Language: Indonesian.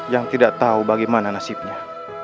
yang tidak tahu bagaimana nasibnya